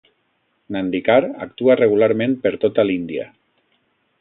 Nandikar actua regularment per tota l'Índia.